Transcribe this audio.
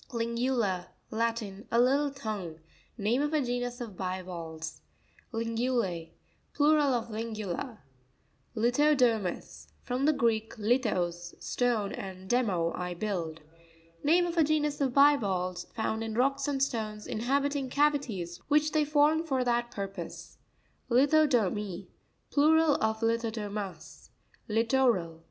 Lr'neuta.—Latin. A little tongue. aa of a genus of bivalves (page 9). Li' nevLa2.—Plural of Lingula. Lirno'pomus. — From the Greek, lithos, stone, and demé, I build. Name of a genus of bivalves found in rocks and stones, inhabiting cavities which they form for that purpose. Litxo'pomt.—Plural of Lithodomus. Li'troraL.